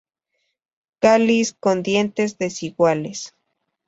Cáliz con dientes desiguales.